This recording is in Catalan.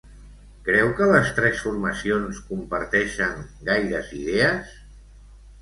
Creu que les tres formacions comparteixen gaires idees?